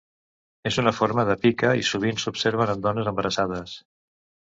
És una forma de pica i sovint s'observa en dones embarassades.